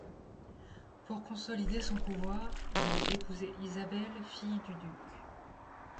Pour consolider son pouvoir il veut épouser Isabelle fille du duc.